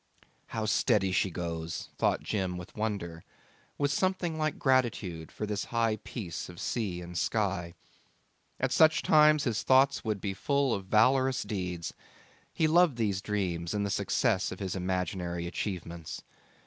'How steady she goes,' thought Jim with wonder, with something like gratitude for this high peace of sea and sky. At such times his thoughts would be full of valorous deeds: he loved these dreams and the success of his imaginary achievements.